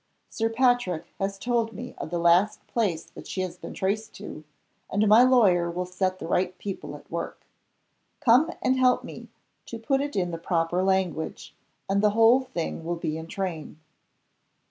Sir Patrick has told me of the last place that she has been traced to and my lawyer will set the right people at work. Come and help me to put it in the proper language, and the whole thing will be in train."